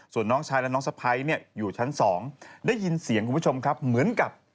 ส่วนน้องชายและน้องสะพ้ายเนี่ยอยู่ชั้น๒ได้ยินเสียงคุณผู้ชมครับเหมือนกับ